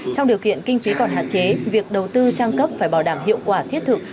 trong điều kiện kinh phí còn hạn chế việc đầu tư trang cấp phải bảo đảm hiệu quả thiết thực